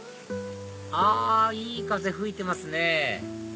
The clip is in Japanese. あいい風吹いてますね